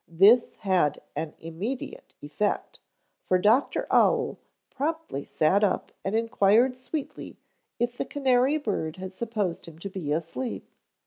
This had an immediate effect, for Dr. Owl promptly sat up and inquired sweetly if the canary bird had supposed him to be asleep.